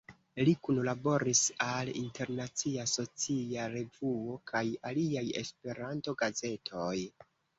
Li kunlaboris al "Internacia Socia Revuo" kaj aliaj Esperanto-gazetoj.